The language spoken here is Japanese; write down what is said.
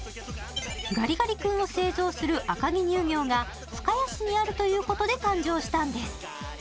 ガリガリ君を製造する赤城乳業が深谷市にあるということで誕生したんです